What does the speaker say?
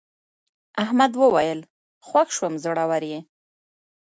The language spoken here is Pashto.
احمد وویل خوښ شوم زړور یې.